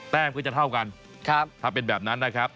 แม้ก็จะเท่ากันถ้าเป็นแบบนั้นนะครับ